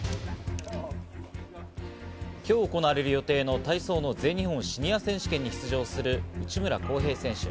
今日行われる予定の体操の全日本シニア選手権に出場する内村航平選手。